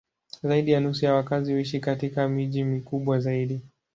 Zaidi ya nusu ya wakazi huishi katika miji mikubwa zaidi.